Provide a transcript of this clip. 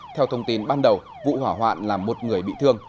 theo thông tin ban đầu vụ hỏa hoạn là một người bị thương